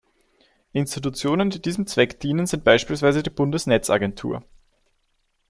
Institutionen, die diesem Zweck dienen, sind beispielsweise die Bundesnetzagentur.